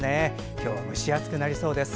今日は蒸し暑くなりそうです。